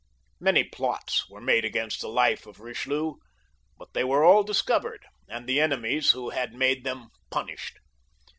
Many plots were made against the life of Eichelieu, but they were all discovered, and the enemies who had made them punished.